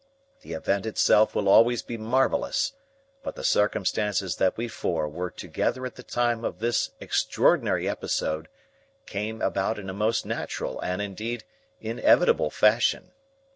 The event itself will always be marvellous, but the circumstances that we four were together at the time of this extraordinary episode came about in a most natural and, indeed, inevitable fashion.